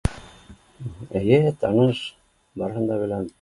Эйе таныш барыһын да беләм